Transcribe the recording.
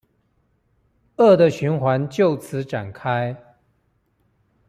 惡的循環就此展開